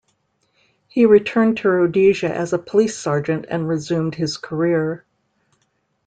He returned to Rhodesia as a police sergeant, and resumed his career.